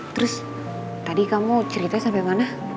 terus tadi kamu cerita sampe mana